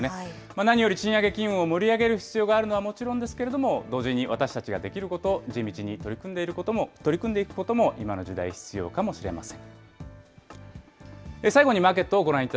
何より賃上げ機運を盛り上げる必要があることはもちろんですけれども、同時に私たちができること、地道に取り組んでいくことも、今の時代、必要かもしれません。